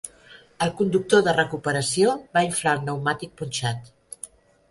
El conductor de recuperació va inflar el pneumàtic punxat.